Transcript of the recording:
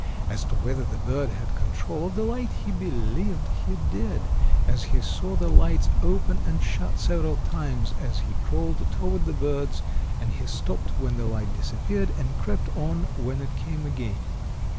"As to whether the bird had control of the light, he believed he did, as he saw the lights open and shut several times as he crawled toward the birds and he stopped when the light disappeared and crept on when it came again.